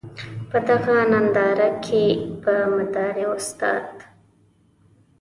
په دغه ننداره کې به مداري استاد.